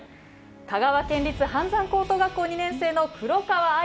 香川県立飯山高等学校２年生の黒川愛